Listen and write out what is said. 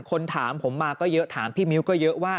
ถามผมมาก็เยอะถามพี่มิ้วก็เยอะว่า